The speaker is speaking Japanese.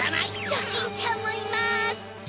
ドキンちゃんもいます！